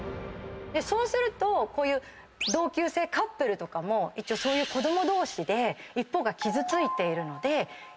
そうすると同級生カップルとかも一応そういう子供同士で一方が傷ついているのでいじめっていうことに。